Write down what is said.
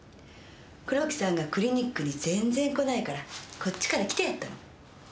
黒木さんがクリニックに全然来ないからこっちから来てやったの。